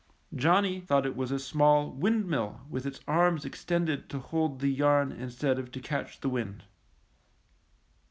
Johnny thought it was a small wind mill with its arms extended to hold the yarn instead of to catch the wind.